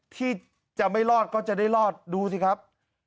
ที่จะไม่รอดก็จะได้รอดดูสิครับ